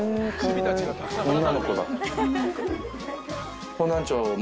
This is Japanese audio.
女の子だ。